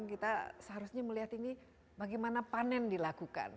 kita seharusnya melihat ini bagaimana panen dilakukan